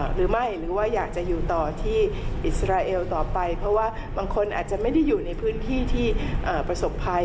หรือว่าอยากจะอยู่ต่อที่อิสราเอลต่อไปเพราะว่าบางคนอาจจะไม่ได้อยู่ในพื้นที่ที่ประสบภัย